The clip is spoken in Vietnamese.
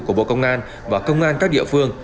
của bộ công an và công an các địa phương